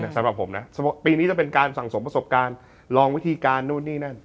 สำหรับผมนะปีนี้จะเป็นการสั่งสมประสบการณ์ลองวิธีการนู่นนี่นั่น